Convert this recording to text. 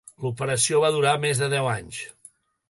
L'operació va durar més de deu anys.